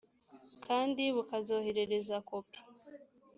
kandi bukazoherereza kopi